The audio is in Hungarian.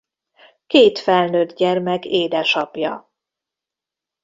Két felnőtt gyermek édesapja.